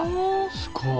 すごい。